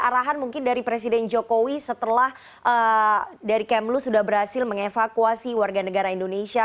ok terakhir ada arahan dari presiden jokowi setelah dari kamlus sudah berhasil mengevakuasi warga negara indonesia